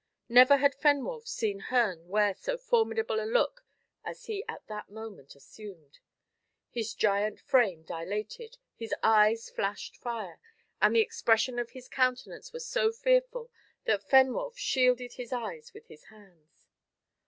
Never had Fenwolf seen Herne wear so formidable a look as he at that moment assumed. His giant frame dilated, his eyes flashed fire, and the expression of his countenance was so fearful that Fenwolf shielded his eyes with his hands.